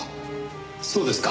そうですか。